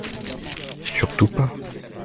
Surtout pas !